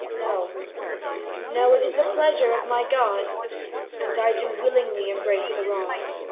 ^ No, no, it is the pleasure of my God ;* And I do willingly embrace the rod.